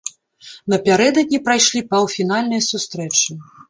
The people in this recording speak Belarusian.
Напярэдадні прайшлі паўфінальныя сустрэчы.